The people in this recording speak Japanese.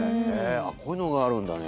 こういうのがあるんだね。